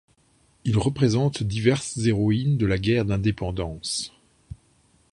Il représente diverses héroïnes de la guerre d'indépendance.